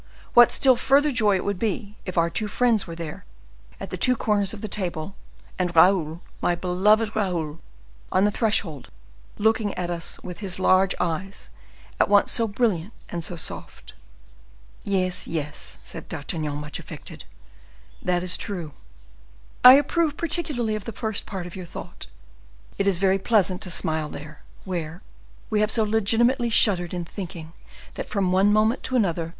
what still further joy it would be, if our two friends were there, at the two corners of the table, and Raoul, my beloved Raoul, on the threshold, looking at us with his large eyes, at once so brilliant and so soft!" "Yes, yes," said D'Artagnan, much affected, "that is true. I approve particularly of the first part of your thought; it is very pleasant to smile there where we have so legitimately shuddered in thinking that from one moment to another M.